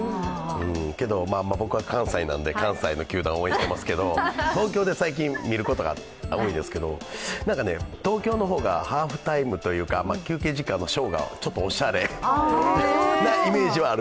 けど、僕は関西なんで関西の球団を応援してますけど、東京で最近見ることが多いですが東京の方がハーフタイムとか、休憩時間のショーがちょっとおしゃれなイメージはある。